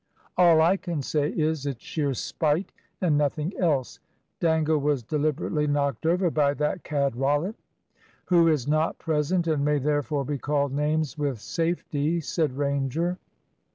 "All I can say is, it's sheer spite and nothing else. Dangle was deliberately knocked over by that cad Rollitt " "Who is not present, and may therefore be called names with safety," said Ranger.